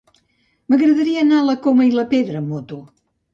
M'agradaria anar a la Coma i la Pedra amb moto.